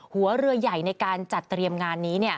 หัวเรือใหญ่ในการจัดเตรียมงานนี้